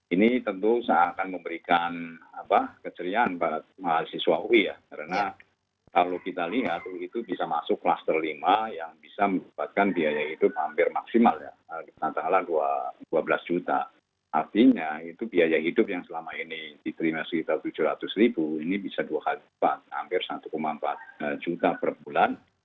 ini tentu akan memberikan kecerian pada mahasiswa ui karena kalau kita lihat itu bisa masuk klaster lima yang bisa menyebabkan biaya hidup hampir maksimal antara dua belas juta artinya itu biaya hidup yang selama ini diterima sekitar tujuh ratus ribu ini bisa dua puluh empat hampir satu empat juta per bulan